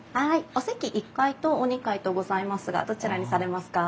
お席１階とお２階とございますがどちらにされますか？